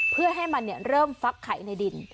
เพื่อให้มันเริ่มฟักไข่ในดิน